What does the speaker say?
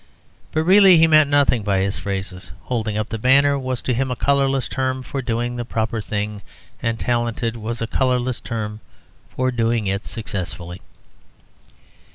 But really he meant nothing by his phrases. "Holding up the banner" was to him a colourless term for doing the proper thing, and "talented" was a colourless term for doing it successfully.